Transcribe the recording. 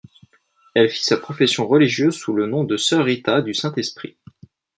Elle fit sa profession religieuse sous le nom de sœur Rita du Saint-Esprit.